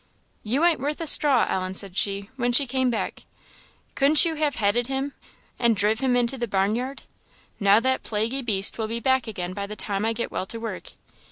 "You ain't worth a straw, Ellen!" said she, when she came back; "couldn't you ha' headed him, and driv' him into the barnyard? Now that plaguy beast will just be back again by the time I get well to work.